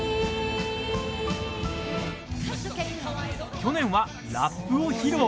去年は、ラップを披露！